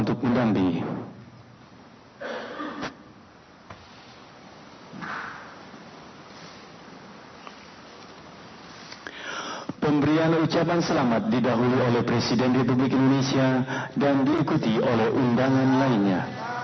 pembedaan ucapan selamat didahului oleh presiden republik indonesia dan diikuti oleh undangan lainnya